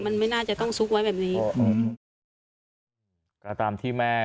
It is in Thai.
มันไม่น่าจะต้องสุกไว้แบบนี้